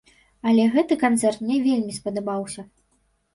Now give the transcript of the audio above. Але гэты канцэрт мне вельмі спадабаўся.